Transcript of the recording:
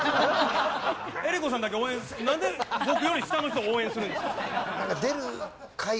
江里子さんだけ応援なんで僕より下の人を応援するんですか？